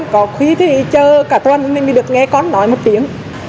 có khí thì chờ cả tuần nên mới được nghe con nói một tiếng